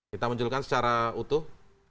kita menjelaskan secara utuh